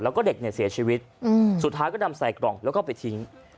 แล้วก็เด็กเนี่ยเสียชีวิตสุดท้ายก็นำใส่กล่องแล้วก็ไปทิ้ง